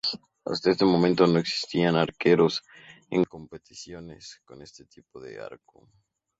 Hasta este momento no existían arqueros en competiciones con este tipo de arco.